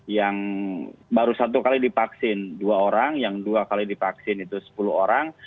yang baru satu kali dipaksin dua orang yang dua kali dipaksin itu sepuluh orang